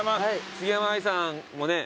杉山愛さんもね。